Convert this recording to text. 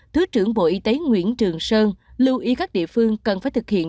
thứ trưởng bộ y tế nguyễn trường sơn lưu ý các địa phương cần phải thực hiện